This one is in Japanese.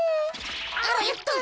あらよっと！